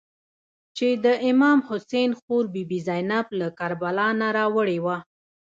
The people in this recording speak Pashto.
چې د امام حسین خور بي بي زینب له کربلا نه راوړې وه.